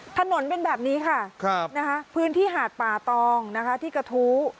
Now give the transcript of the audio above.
ถนนเป็นแบบนี้ค่ะพื้นที่หาดป่าตองนะคะที่กระทู้